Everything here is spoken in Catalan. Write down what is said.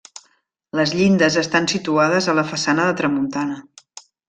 Les llindes estan situades a la façana de tramuntana.